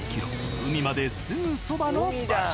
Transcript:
海まですぐそばの場所。